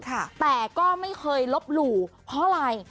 แต่ก็ไม่เคยลบหลู่เพราะอะไร